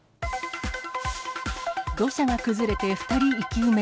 土砂が崩れて２人生き埋め。